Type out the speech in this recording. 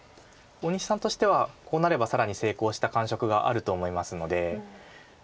大西さんとしてはこうなれば更に成功した感触があると思いますので。